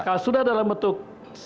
kalau sudah dalam bentuk